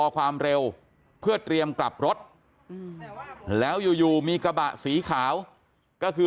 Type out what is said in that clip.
ความเร็วเพื่อเตรียมกลับรถแล้วอยู่อยู่มีกระบะสีขาวก็คือ